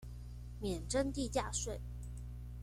免徵地價稅